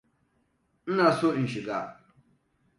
Ina so in shiga.